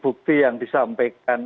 bukti yang disampaikan